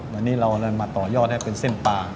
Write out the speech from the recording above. วันนี้เราเลยมาต่อยอดให้เป็นเส้นปลา